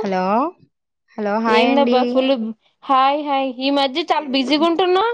Hello hello hi ఏందబ్బా అండి full hi hi ఈ మధ్య చాలా బిజీగా ఉంటున్నా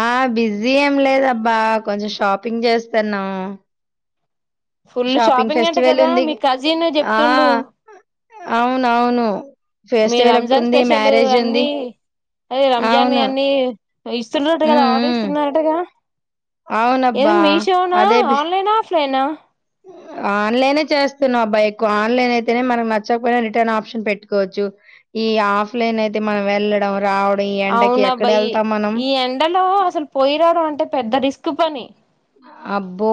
ఆ బిజీ ఏం లేదబ్బా కొంచెం షాపింగ్ చేస్తాన్నామ్ ఫుల్ షాపింగ్ అంట కదా ఉంది మీ కజిన్ ఆ చెప్తుండు అవునవును మీ ఫెస్టివల్ ఒకటి రంజాన్ ఉంది స్పెషల్ మ్యారేజ్ ఉంది అన్ని అదే రంజాన్ అవును అన్ని ఇస్తున్నట్టు ఉమ్ కదా ఆర్డర్ ఉమ్ ఇస్తున్నారటగా ఏదో అవునబ్బా మీషోనా అదే బి ఆన్లైనా ఆఫ్లైనా. ఆన్లైనే చేస్తున్నాం అబ్బ ఎక్కువ ఆన్లైన్ అయితేనే మనకు నచ్చకపోయినా రిటర్న్ ఆప్షన్ పెట్టుకోవచ్చు ఈ ఆఫ్లైన్ అయితే మనం వెళ్ళడం రావడ్ అవునాబ్బ ఇ ఈ ఎండలో అస్సల్ పోయిరావడం అంటే పెద్ద రిస్క్ తుఫని అబ్బో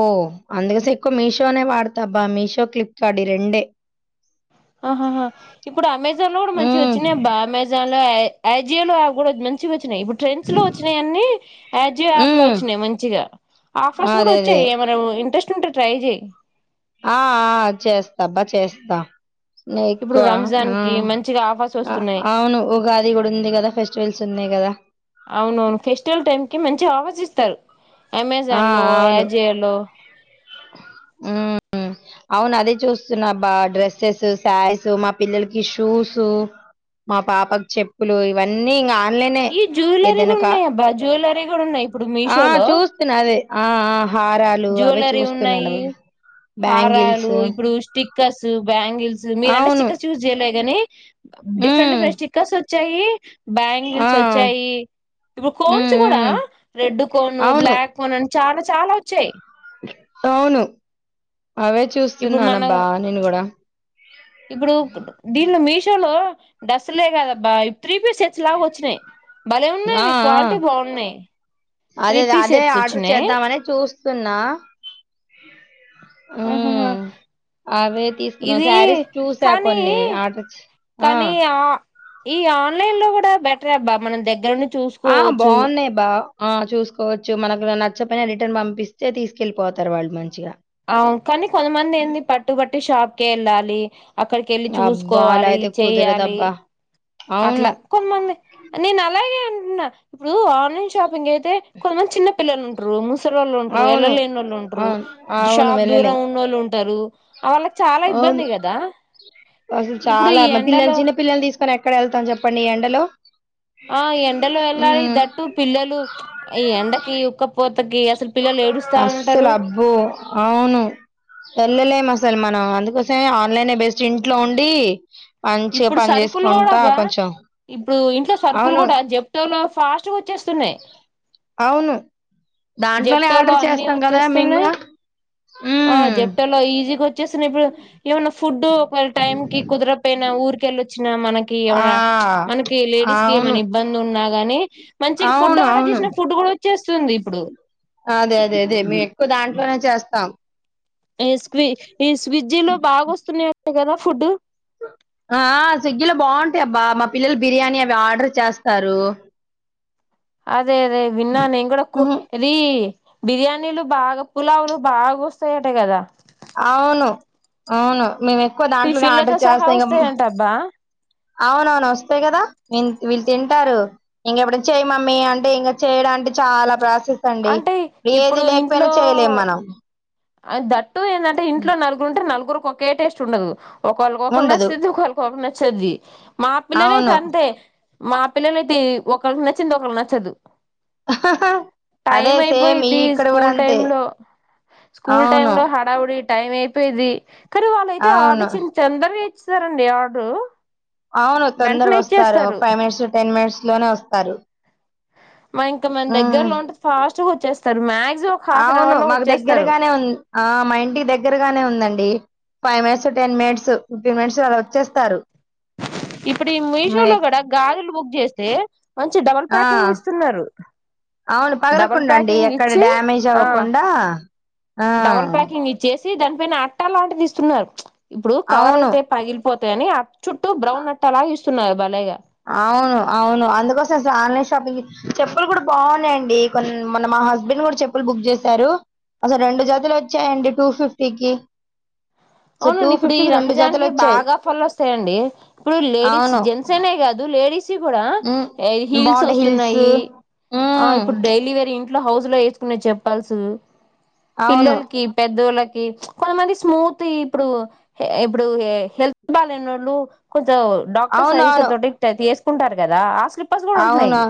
అందగసె ఎక్కువ మీషోనే వాడతా అబ్బా మీషో ఫ్లిప్కార్ట్ ఈ రెండే అహాహా ఇప్పుడు అమెజాన్ లో గూడా మంచియి ఉమ్ వచ్చినాయిబ్బా అమెజాన్ లో ఆ ఎ యజీయోలో అవి గూడా మంచి మంచి ఇప్పుడు ట్రెండ్స్ లో వచ్చినియన్నీ యజియె యాప్ లో ఉమ్ వచ్చినాయ్ మంచిగా ఆఫర్స్ గూడా అదే అదే వచ్చాయ్ ఏమైన ఇంట్రెస్ట్. టిడ్ ట్రైయ్ జెయ్ ఆహ్హ్ చేస్తా అబ్బా చేస్తా నే ఇప్పుడు ఎక్కువ రంజాన్ కి ఆహ్ మంచిగా ఆఫర్స్ అ వస్తున్నాయి అవును ఉగాది గూడా ఉంది గదా ఫెస్టివల్స్ ఉన్నాయ్ గదా అవునవును ఫెస్టివల్ టైం కి మంచి ఆఫర్స్ ఇస్తారు. అమెజాన్ లో అవును యజియలో ఉమ్ అవును అదే చూస్తున్నా అబ్బా డ్రెస్సెస్ శారీస్ మా పిల్లలకి షూస్ మా పాపకి చెప్పులు ఇవన్నీ ఇంగ. ఆన్లైనే ఈ జ్యువెలరీ ఏదైనా గూడా కా ఉన్నాయ్ అబ్బా జ్యువెలరీ గూడా ఉన్నాయ్ ఇప్పుడు ఆ మీషో లో. చూస్తున్నా అదే ఆ ఆ హారాలు అవే జ్యవెలరీ చూస్తున్నాను ఉన్నాయి అవి బ్యాంగిల్స్ హారాలు ఇప్పుడు స్టిక్కర్స్ బ్యాంగిల్స్ మీరంటే అవును స్టిక్కర్స్ చూస్ జెయ గాని డిఫరెంట్ ఉమ్ డిఫరెం స్టిక్కర్స్ చేయ్యి బ్యాంగిల్స్ ఆ ఇప్పుడు కోన్స్ ఉమ్ గూడా ఉమ్ రెడ్ కోన్ అవును బ్లాక్ కోన్ అని చాలా చాలా వచ్చాయ్ అవును అవే ఇప్పుడు మనం చూస్తున్నానబ్బా నేను కూడా ఇప్పుడు దీన్లో మీషోలో డస్లే కదా అబ్బా త్రీ పీస్ సెట్స్ లాగా వచ్చినాయ్ భలే ఆ ఉన్నావి ఆ క్వాలిటీ బావున్నాయ్ త్రీ పీస్ సెట్స్ వచ్చినాయ్ సున్నా ఆహాహా హ్మ్ అవే తీస్కున్నా ఇది శారీస్ చూసా కానీ కొన్ని ఆర్డర్ ఇచ్చి కానీ ఆహ్ ఆ ఈ ఆన్లైన్ లో గూడా బెటరే అబ్బా మనం దగ్గర ను ఆహ్ బావున్నాయ్ అబ్బా ఆహ్ చూసుకోవచ్చు మనకు నచ్చపోయిన రిటర్న్ పంపిస్తే తీసుకెళ్ళిపోతారు వాళ్ళు మంచిగ. కానీ కొంతమంది ఏంది పట్టుబట్టి షాప్కె ఎళ్ళాల్ లి అక్కడికి వెళ్ళి అబ్బా అలా చూసుకోవాలి అయితే చెయాలి కుదరదబ్బా అవును అట్లా కొమంది నేను అలాగే అంటున్నా ఇప్పుడు ఆన్లైన్ షాపింగ్ ఎయి స్తే కొంతమంది చిన్న పిల్లలు ఉంటరు ముసలి వాళ్ళు ఉంటారు అవును ఎళ్లలేని వాళ్ళు ఉంటారు అవును అవును షాప్ వెళ్ళలేం దూరం ఉన్నవాళ్ళు ఉంటారు వాళ్ళకి చాలా అవును ఇబ్బంది కదా అసలు ఇప్పుడు చాలా ఈ పిల్లల ఎండలో చిన్న పిల్లలు తీసుకొని ఎక్కడ వెళ్తాం చెప్పండి ఎండలో ఆ ఎండలో వెళ్ళాలి ఉమ్ దట్టు పిల్లలు ఈ ఎండకి ఉక్కపోతే అస్సలు అబ్బో అవును ఎల్లలేం అసలు అసల్ మనం అందుకోసమే ఆన్లైనే బెస్ట్ ఇంట్లో ఉండి మంచిగ ఇప్పుడు పని సరుకులు కూడా చేసుకుంటా బా కొంచెం ఇప్పుడు ఇంట్లో సరుకుల్ అవును కూడా జెప్టో లో ఫాస్ట్గా వచ్చే అవును దాంట్లోనే జెప్టోలో ఆర్డర్ అన్ని చేస్తాం కదా మేము వచ్చేస్తున్నాయి కూడా చ్చేసిన ఇప్పుడు ఏమైన్న ఫుడ్ ఒకవేళ టైం కి కుదర ఎటైనా ఊర్కెళ మనకి ఆ ఏమన్న మనకి లేడీస్ కి అవును ఏమైన ఇబ్బంది ఉన్నా కానీ అవును అవును వచ్చేస్తుంది ఇప్పుడు అదే అదే అదే మేం ఎక్కువ దాంట్లోనే చేస్తా తాం ఎస్కువి ఈ స్విజ్జీ లో బాగా వస్తున్నాయి అంతే కదా ఫుడ్ ఆ స్విగ్గిలో బాగుంటాయబ్బా మా పిల్లలు బిర్యానీ అవి ఆర్డర్ చేస్తారు అదే అదే విన్నా నేను కూడా కూడా కుట్ ఉహు, అది బిర్యానీలు బాగా పులావులు బాగా వస్తాయట కదా అవును అవును మేము ఎక్కువ దాంట్లోనే టిఫిన్లతో ఆర్డర్ సహా చేస్తాం ఇంక వస్తాయంటబ్బా అవునవును వస్తయి కదా వీళ్ళు తింటారు ఇంక ఎప్పుడ చేయి మమ్మీ అంటే ఇంక చేయడానికి చాలా ప్రా సండి అంటే ఇప్పుడు ఏది లేకపోయినా చేయలేం మనం అండ్ ద టు ఎందంటే ఇంట్లో నలుగురు ఉంటే నలుగురు ఒకే టేస్ట్ ఉండదు ఒకాల కొకల్ న ఉండదు సి దుకాల కొ చ్చది మా పిల్లలైతే అవును అంతే మా పిల్లలయితే ఒకరికి నచ్చింది ఒకళ్ళకి నచ్చదు అదే టైమ్ సేమ్ అయిపోయిది ఇక్కడ కూడా స్కూల్ అంతే టైమ్ లో స్కూల్ టైమ్ అవును లో హడావుడి టైం అయిపోయిది కానీ వాళ్ళయితే అవును ఆడిచ్చిన తందర సారండి ఆర్డరు అవును తొందరగా వెంటనే వస్తారు ఇచ్చేస్తారు ఫైవ్ మినిట్స్ టెన్ మినిట్స్ లోనే వస్తారు మ ఇంకా మన ఉమ్, దగ్గరలో ఉంటది ఫాస్ట్ గా వచ్చేస్త స మ్యాగ అవును మాకు దగ్గరగానే ఉంది ఆ మా ఇంటికి దగ్గరగానే ఉందండి five minutes ten minutes fifteen minutes అలా వచ్చేస్తారు ఇప్పుడు ఈ మీషో లో మీ- కూడా గాజులు బుక్ చేస్తే మంచి డబల్ ఆ ప్యాకింగ్ ఇస్తున్నారు అవును డబల్ పగలకుండా అండి ప్యాకింగ్ ఎక్కడ ఇచ్చి డ్యామేజ్ ఆ అవ్వకుండా ఆ డబల్ ప్యాకింగ్ ఇచ్చేస్ దానిపైన అట్టా లాంటిదిస్తున్నారు ఇప్పుడు కవర్ అవును అయితే పగిలిపోత ధని చుట్టూ బ్రౌన్ నట్ అలా ఇ తున్నారు బలేగా అవును అవును అందుకోసం అసలు ఆన్లైన్ షాపింగ్ చెప్పులు కూడా బాగున్నాయండి కొ మొన్న మా హస్బెండ్ కూడా చెప్పులు బుక్ చేశారు అసలు రెండు జాతులు వచ్చాయండి టూ ఫిఫ్టీకి సో టూ అవునండి ఇప్పుడు ఈ ఫిఫ్టీకి రెండు రంజాన్ జతలు కి వచ్చాయి బాగా ఫలు వస్తాయండి ఇప్పుడు లేడీస్ అవును జెంట్స్ అనే కాదు లేడీస్ ఇచ్చి కూడ ఉమ్ హిల్స్ బాగుంటాయి హిల్స్ వస్తున్నాయి ఉమ్ ఇప్పుడు డైలీ వరి ఇంట్లో హౌస్ లో వేసుకునే చెప్పాల్సు అవును పిల్లలకి పెద్దోళ్ళకి ఫ కొంత మంది స్మూత్ ఇప్పుడు ఇప్పుడు హెల్త్ బాలెనోలు కొ డాక్టర్ అవును సజీషన్టిక్ట్యి ఎస్ ఉంటారు కదా స్లిప్పర్స్ కూడా ఉంటున్నాయి అవునా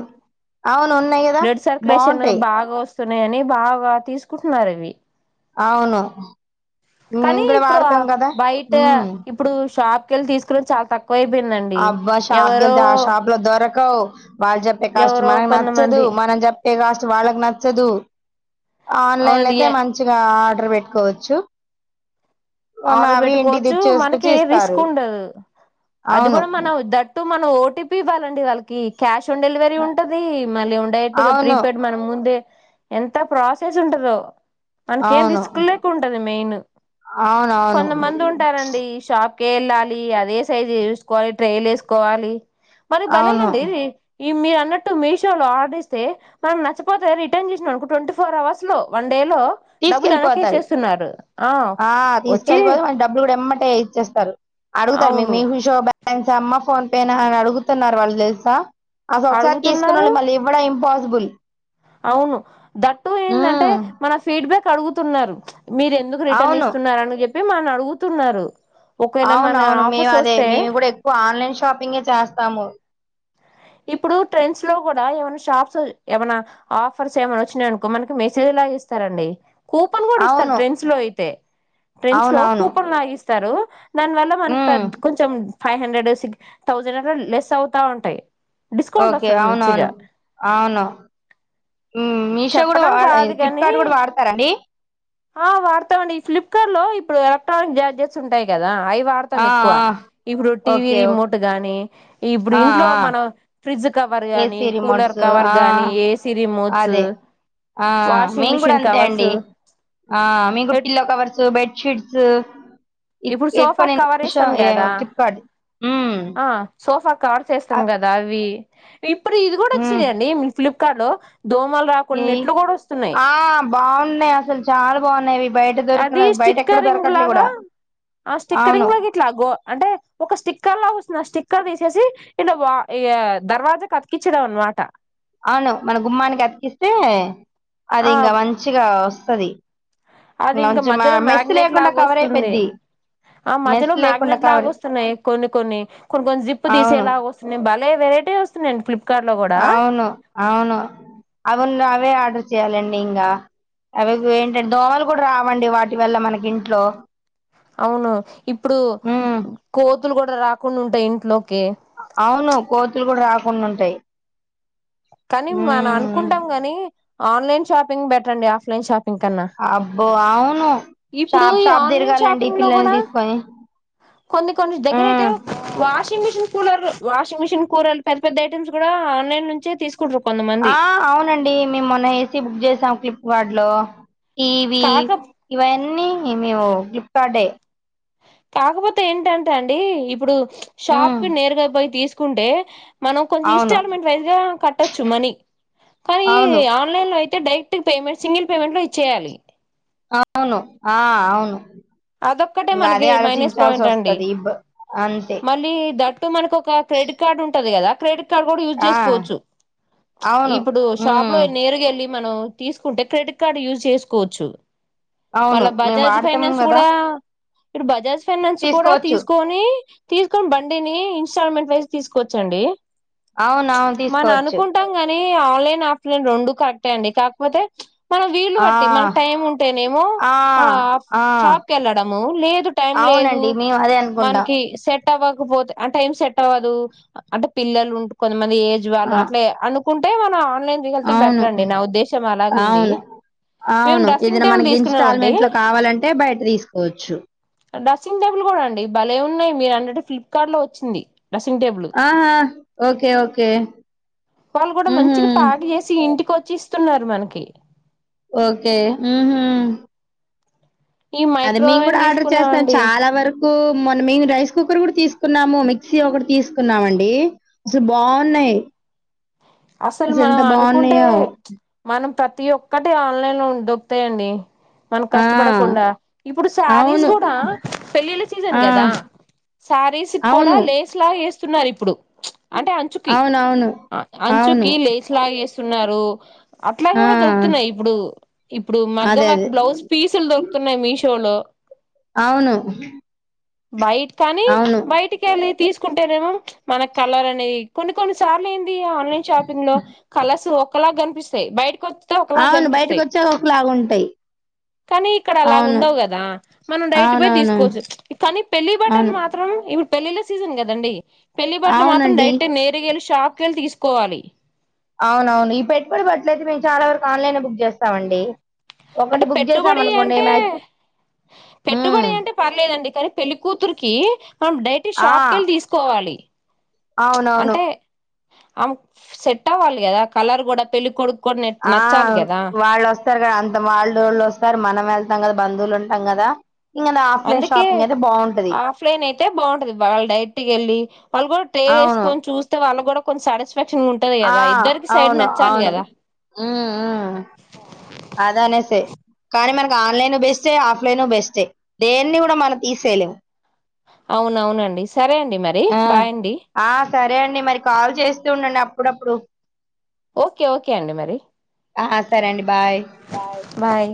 అవును ఉన్నాయి కదా బాగుంటాయి సునే అని బాగా తీసుకుంటున్నారు ఇవి అవును కానీ మేము కూడా ఇప్పుడు వాడతాం కదా బయట ఉమ్ ఇప్పుడు షాప్ కెళ్ తీసుకుని చాలా తక్ అబ్బా షాపు గెళ్తే ఆషాపు లో దొర కవ్ వాళ్ళు చెప్పే కాస్ట్ ఎవరో మనకు నచ్చదు, కొంతమంది మనం చెప్పే కాస్ట్ వాళ్ళకి నచ్చదు, ఆన్లైన్ లో అవునండి అయితే మంచిగా. డర్ వెట్టుకోవచ్చు ఆర్డర్ పెట్టుకోవచ్చు మనకి చూసుకొచ్చి ఏ రిస్క్ ఇస్తారు ఉండదు అది అవును కూడా మన దట్టు మనం ఓటీపీ ఇవ్వాలండి వాళ్ళకి క్యాష్ ఆన్ డెలివరీ ఉంటది మళ్ళీ డైరెక్ట్ గా అవును ప్రీపేయిడ్ మనం ముందే ఎంత ప్రాసెస్ ఉంటదో మనకేం అవును రిస్క్ లేకుంటది మెయిన్ అవునవును కొంతమంది అవును ఉంటారండి షా ప్కే వెళ్ళాలి అదే సైజ్ చుసుకోవాలి ట్రైల్ వేసుకోవాలి మరి అవును బలేగండి ఈ మీర్ అన్ న్నట్టు మీషో లో ఆర్డర్ ఇస్తే మనం నచ్చపోతే రిటర్న్ జేసినా అనుకో ట్వంటీ ఫోర్ అవర్స్ లో వన్ డే లో డబ్బులు తీసుకెళ్ళిపోతారు వెనకేసేస్తున్నారు ఆ ఆ వచ్చి తీసుకెళ్ళి పోతే మన డబ్బులు కూడా ఎమ్మ టే ఇచ్చేస్తారు అడుగుతారు అవును మీ మీషో బె ఎన్సా అమ్మ ఫోన్ పే అని అడుగుతున్నారు వాళ్ళు లెల్సా అసల్ ఒకసారి అడుగుతున్నారు తీసుకున్నళ్లు మళ్ళీ ఇవ్వడం ఇంపాసిబుల్ అవును దట్టు ఏందంటే మన ఫీడ్బ్యాక్ అడుగుతున్నారు ప్చ్ మీరు ఎందుకు రిటర్న్ అవును ఇస్తున్నారని జెప్ మే మన్ అడుగుతున్నారు ఒకవేళ అవున మన అవును మేము ఆఫర్స్ అదే వస్తే మేము కూడా ఎక్కువ ఆన్లైన్ షాపింగే చేస్తాము ఇప్పుడు ట్రెండ్స్ లో కూడా ఏమైనా షాప్స్ ఏమైనా ఆఫర్స్ ఏమైన్నా వచ్చినానుకో మనకి మెసేజ్ లాగా ఇస్తారండి. కూపన్ కూడా ఇస్తారు అవును ట్రెండ్స్ లో అయితే ట్రెండ్స్ లో అవునవును కూపన్ లాగిస్తారు దానివల్ల మనకు ఉమ్ పెద్ కొంచెం ఫైవ్ హండ్రెడ్ సి థౌజండ్ అట్లా లెస్ అవుతా ఉంటాయి డిస్కౌంట్ ఓకే వస్తది మంచిగా అవునవును అవును మీషో కూడా చెప్పడం కాదు కాని ఫ్లిప్కార్ట్ కూడా వాడతారండి ఆ వాడతామండి ఈ ఫ్లిప్కార్ట్ లో ఇప్పుడు ఎలక్ట్రానిక్ గ్యాడ్జెట్స్ ఉంటాయి కదా అ వాడతాం ఆ ఎక్కువ ఆ ఇప్పుడు టీవీ ఓకే ఓ రిమోట్ గాని ఇప్పుడు ఆ ఇంట్లో ఆ మన ఫ్రిడ్జ్ కవర్ గానీ ఏసీ కూలర్ రిమోట్స్ కవర్ ఆ గానీ ఏసీ రిమ్మోచ్చు అదే ఆ మేము కూడా అంతే అండి ఆ మేం కూడ పిల్లో కవర్స్ బెడ్షీట్ జ ఇప్పుడు సోఫా కవర్ వేస్తాం కదా ఫ్లిప్కార్ట్ ఉమ్ ఆ సోఫా కవర్ వేస్తాం అ- కదా అవి ఇప్పుడు ఇది కూడా ఉమ్ వచ్చినాయండి ఫ్లిప్కార్ట్ లో దోమలు ఏ రాకుండా నెట్లు కూడా వస్తున్నాయి ఆ బాగున్నాయి అసలు చాలా బాగున్నాయి బయట దొరికిన అది బయట ఎక్కడ స్టిక్కరింగ్ దొరకట్లే లాగా కూడా ఆ అవును స్టిక్కరింగ్ లాగా ఇట్లాగ అంటే ఒక స్టిక్కర్ లాగా వస్తుంది ఆ స్టిక్క స్టిక్కర్ తీసేసి ఇ దర్వాజా అతికించడంం అనమాట అవును మన గుమ్మానికి అతికిస్తే అది ఆ ఇంకా మంచిగా వస్ స్తది అది ఇంక మధ్యలో మ్యాగ్నెట్ లేకుండా లాగ కవర్ వస్తుంది. అయిపోద్ది ఆ మెస్ మధ్యలో లేకుండా మ్యాగ్నెట్ లాగ కవర్ వస్తున్నాయి కొన్ని కొన్ని. కొన్ని కొన్ని జిప్పు అవును తీసేలాగా వస్తున్నాయి బల్ వెరటీ వన్నాయండి ఫ్ప్ అవును అవును అవును అవే ఆర్డర్ చేయాలం ఇంకా అవి ఏంటంటే దోమలు కూడా రావండి వాటి వల్ల మనకి ఇంట్లో అవును ఇప్పుడు ఉమ్ కో పురుగులు కూడా రాకుండా ఉంటాయి ఇంట్లో అవును కోతులు కూడా ర కొన్ని ఉంటాయి కానీ మనం ఉమ్ అనుకుంటాం గాని ఆన్లైన్ షపింగ్ బెటర్ండి ఆఫలైన్ షప్ ఇంకన్నా ఓ అవును ఇప్పుడు షాప్ ఈ షాప్ ఆన్లైన్ తిరగాలండి షాపింగ్ లో పిల్లల్ని కూడా తీసుకొని కొన్ని కొన్ని దగ్గర అయితే ఉమ్. Wash washing machine cooler washing machine cooler పెద్ద పెద్ద ఐటమ్స్ కూడా ఆన్లైన్ నుంచే తీసు ఆ అవునండి మేమ్ మొన్న ఏసీ బుక్ చేసాం ఫ్లిప్ కార్ట్లో టీవీ కాక ఇవన్నీ మేము ఫ్లిప్కార్ట్డే కాకపోతే ఏంటంటే అండి ఇప్పుడు ఉమ్, షాప్కి నేరుగా పోయి తీసుకు కుంటే మనం కొంచెం అవును ఇన్స్టాల్మెంట్ వైజ్ గా కట్టొచ్చు మనీ కానీ అవును ఆన్లైన్ లో అయితే అయితే డైరెక్ట్ పేమెంట్ సింగిల్ పేమెంట్లో ఇచ్చేయాలి. అవును ఆ అవును. అదోక్కటే ఇంకా మనకి అదే మైనస్ ఆలోచించాల్సి పాయింట్ అండి. వస్తది ఇబ్ అంతే మళ్ళీ దట్ ట్టు మనకు ఒక క్రెడిట్ కార్డు ఉంటది కదా క్రెడిట్ కార్డ్ కూడా యూస్ ఆ చేసుకొచ్చు. అవును ఇప్పుడు షాప్లో ఉమ్, నేరుగేల్లి మనం తీసుకుంటే క్రెడిట్ కార్డు యూజ్ చేసుకోచ్చు. అవును మేము వాడ్తమ్ కదా ఆ ఇప్పుడు బజాజ్ ఫైనాన్స్ కూడా తీసుకోవచ్చు తీసుకొని తీసుకోని బండిని ఇన్స్టాల్మెంట్ వైజ్ తీసుకోచ్చండి. అవునవును తీసుకోవచ్చు. లీ ఆన్లైన్ ఆఫ్లైన్ రెండు కరెక్టే అండి కాకపోతే మన వీళ్ళు ఆ బట్టి మనకి టైం ఉంటేనేమో ఆ ఆఫ్ ఆ షాప్ కేళ్ళడము లేదు టైం లేదు అవునండి మేము అదే అనుకుంటాం మన్కి సెట్ సెట్ అవ్వకపోతే ఆ టైం సెట్ అవ్వదు అంటే పిల్లలు ఉంట కొంత మం మంది ఏజ్ వాళ్ళు ఆ అట్లే అను కుంటే మన అవును అవును మేము అవును డ్రెస్సింగ్ ఏదైనా టేబుల్ మనకి తీసుకున్నామండి ఇన్స్టాల్మెంట్ లో కావాలంటే బయట తీసుకోవచ్చు. డ్రెస్సింగ్ టేబుల్ కూడా అండి భలే ఉన్నాయ్ మీరు అన్నట్టు ఫ్లిప్కార్ట్ లో వచ్చింది. డ్రెస్సింగ్ టేబుల్ ఆహా! Okay okay! వాళ్ళు కూడా ఉహు మంచిగా ప్యాక్ చేసి ఇంటికోచ్ చ్చిస్తున్నారు మనకి ఓకే ఈ అది మీమ్ మైక్రోవేవ్ గుడా ఆర్డర్ చేస్తాం తీసుకున్నామండి చాలా వరకు మొన్న మేము రైస్ కుక్కర్ గుడ తీసుకున్నాము, మిక్సీ ఒకటి తీసుకున్నామండి అసలు బావున్నాయి. అసలు మనం అనుకుంటే మనం తప్ తి ఒక్కటి ఆన్లైన్ దొక్తాయండి మన ఆ కష్టపడకుండా ఇప్పుడు శారీస్ అవును గుడా పెళ్ళిళ్ళ సీజన్ ఆ గదా శారీస్సుక్కూడ అవును లేస్ లాగా వేస్ స్తున్నారిప్పుడు అంటే అంచుకి అవునవును అవును అంచుకి లేస్లాయ్ ఏస్తున్నారు అట్లా ఆ గూడ దొరుకుతున్నయి ఇప్పుడు ఇప్పుడు మగ్గం అదే వర్క్ అదే బ్లౌజ్ పీసులు దొరుకుతున్నాయి మీష్ టూలో అవును బైట్కని అవును బైటికెళ్ళి తీసు కుంటరేమో మన కలరని కొన్ని కొన్ని సార్లేన్ ఈ ఆన్లైన్ షాపింగ్ లో కలసువ కలా కనిపిస్తాయి బయటకొచ్ ట ఒకలాగ అవును బయటకు గనిపిస్తయ్ వచ్చాక ఒకలాగా ఉంటాయి కానీ ఇక్కడ అవును అలాగుండవు గదా మనం డైట్ బొయ్ అవునవును తీసుకోవజ్ కానీ పెళ్లి బట్టలు అవును మాత్రం ఇప్పు పెళ్ళిళ్ళ సీజన్ గదండి పెళ్లిబట్లు మాత్రం అవునండి డైట్టే నేరుగెల్లి షాప్ క్కేల్ తీస్కోవాలి అవునవును ఈ పెట్టుబడి బట్లైతే మేము చాలా వరకు ఆన్లైనే బుక్ చేస్తామండి అంటే ఒకటి బుక్ చేసాం పెట్టుబడి అనుకోండి అంటే మ్యా ఉమ్ పెట్టుబడి అంటే పర్లేదండి కానీ పెళ్లికూతురికి డైటి ఆ షాప్ కి వెళ్ళి తీసుకోవాలి అవునవును అంటే ఆమక్ సెట్టవ్వాలి గదా కలర్ గుడ పెళ్ళ కొడుక్ ఆ వాళ్ళొస్తారు గా అంత వాళ్ళోళ్ళొస్తారు మనమెళ్తాం గదా బంధువులుంటం గదా అందుకే ఆఫ్లైన్ అయితే బాగుంటది వాళ్ డైట్ గెళ్ళి వాళ్ళు గుడ ట్రే అవును వేసుకొని చూస్తే వాళ్ళ గుడ కొన్నిసాడస్ ఆ అవును అవును కదా మ్మ్ మ్మ్ అదనేసే కానీ మనకి ఆన్లైన్ బెస్టే ఆఫ్లైన్ బెస్ట్ తే దేన్ని గుడ మన తీసైలేం అవునవునండి సరే అండి మరి ఆ బాయండి ఆ సరే మరి కాల్ చేస్తూ ఉండండి అప్పుడప్పుడు ఓకే ఓకే అండి మరి ఆ సరే అండి బాయ్ బాయ్